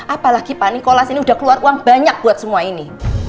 apalagi pak nikolas ini udah keluar uang banyak buat semua ini